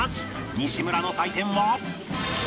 西村の採点は